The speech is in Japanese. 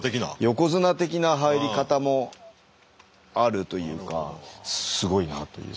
横綱的な入り方もあるというかすごいなというか。